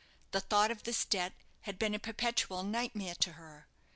The thought of this debt had been a perpetual nightmare to her.